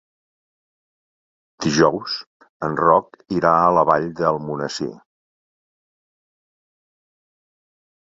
Dijous en Roc irà a la Vall d'Almonesir.